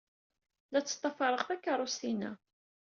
La ttḍafareɣ takeṛṛust-inna.